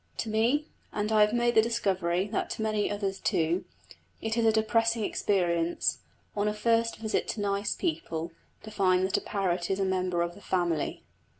To me, and I have made the discovery that to many others too, it is a depressing experience, on a first visit to nice people, to find that a parrot is a member of the family.